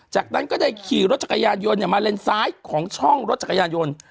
จากนั้นก็ได้ขี่รถจักรยานยนต์มาเลนซ้ายของช่องรถจักรยานยนต์